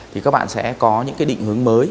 thì các bạn sẽ có những định hướng mới